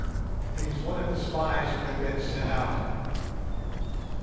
He was one of the spies who had been sent out.